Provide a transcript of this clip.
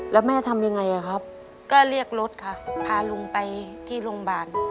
แล้วแม่ทำยังไงครับก็เรียกรถค่ะพาลุงไปที่โรงพยาบาล